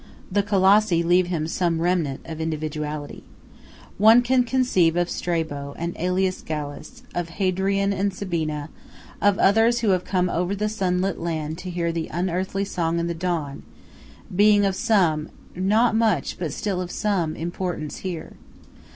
The Colossi leave him some remnants of individuality. One can conceive of Strabo and AElius Gallus, of Hadrian and Sabina, of others who came over the sunlit land to hear the unearthly song in the dawn, being of some not much, but still of some importance here.